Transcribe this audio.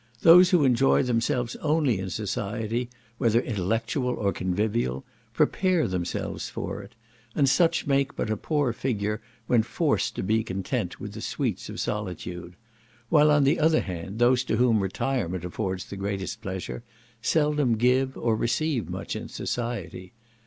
Those who enjoy themselves only in society, whether intellectual or convivial, prepare themselves for it, and such make but a poor figure when forced to be content with the sweets of solitude: while, on the other hand, those to whom retirement affords the greatest pleasure, seldom give or receive much in society.